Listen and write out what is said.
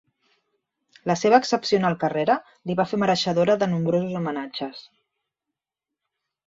La seva excepcional carrera li va fer mereixedora de nombrosos homenatges.